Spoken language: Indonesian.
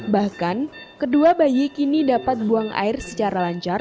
bahkan kedua bayi kini dapat buang air secara lancar